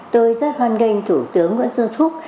tôi rất hoan nghênh thủ tướng nguyễn dương thúc